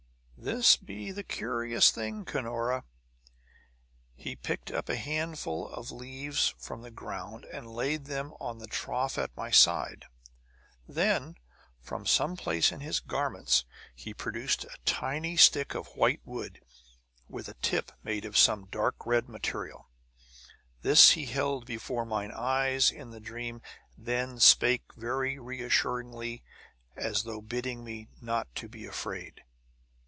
"This be the curious thing, Cunora: He picked up a handful of leaves from the ground and laid them on the trough at my side. Then, from some place in his garments he produced a tiny stick of white wood, with a tip made of some dark red material. This he held before mine eyes, in the dream; and then spake very reassuringly, as though bidding me not to be afraid.